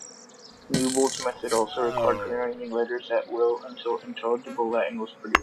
Newbold's method also required rearranging letters at will until intelligible Latin was produced.